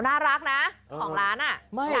น่ารักนะของร้านอ่ะ